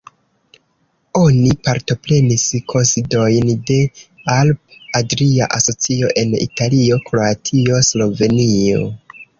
Oni partoprenis kunsidojn de Alp-Adria Asocio en Italio, Kroatio, Slovenio.